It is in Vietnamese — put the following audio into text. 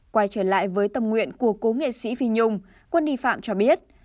quay trở lại với tâm nguyện của cô nghệ sĩ phi nhung quân đi phạm cho biết